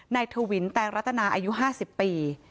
ทวินแตงรัตนาอายุ๕๐ปี